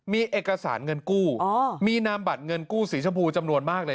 มีเอกสารเงินกู้มีนามบัตรเงินกู้สีชมพูจำนวนมากเลย